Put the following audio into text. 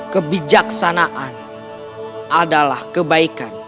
kebijaksanaan adalah kebaikan